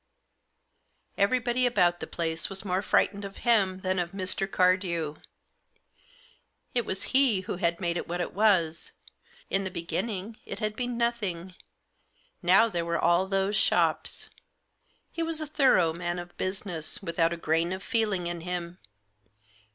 Everybody about the place was more frightened of him than of Mr. Cardew. It was he who had made it what it was. In the beginning it had been nothing ; now there were all those shops. He was a thorough man of business, without a grain of feeling in him.